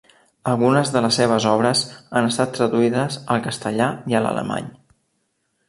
Algunes de les seves obres han estat traduïdes al castellà i a l'alemany.